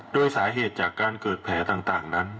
โดยสาเหตุจากการเกิดแผลต่างนั้น